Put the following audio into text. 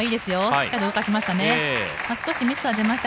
しっかり動かしました。